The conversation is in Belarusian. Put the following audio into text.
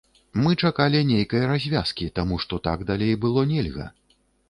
Мы чакалі нейкай развязкі, таму што так далей было нельга.